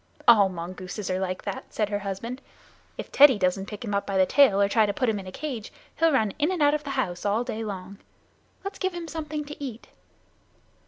"All mongooses are like that," said her husband. "If Teddy doesn't pick him up by the tail, or try to put him in a cage, he'll run in and out of the house all day long. Let's give him something to eat."